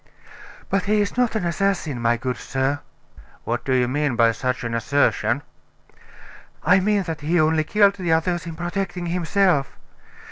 "But he is not an assassin, my good sir." "What do you mean by such an assertion?" "I mean that he only killed the others in protecting himself.